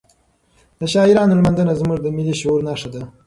د شاعرانو لمانځنه زموږ د ملي شعور نښه ده.